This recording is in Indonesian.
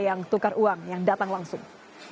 yang tukar uang yang datang langsung